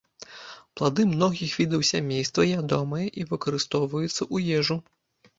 Плады многіх відаў сямейства ядомыя і выкарыстоўваюцца ў ежу.